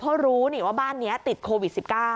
เพราะรู้ว่าบ้านนี้ติดโควิด๑๙